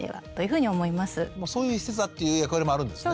そういう施設だっていう役割もあるんですね。